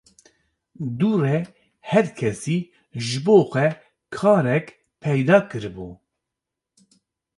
Dû re her kesî ji bo xwe karek peyda kiribû